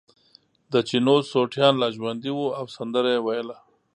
د چینو سوټیان لا ژوندي وو او سندره یې ویله.